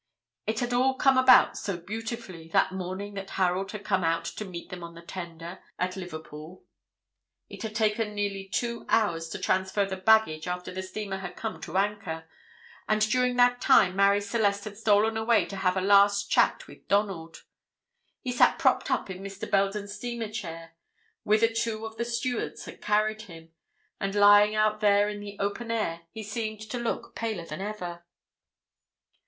It had all come about so beautifully, that morning that Harold had come out to meet them on the tender, at Liverpool. It had taken nearly two hours to transfer the baggage after the steamer had come to anchor, and during that time Marie Celeste had stolen away to have a last chat with Donald. He sat propped up in Mr. Belden's steamer chair, whither two of the stewards had carried him, and lying out there in the open air, he seemed to look paler than ever.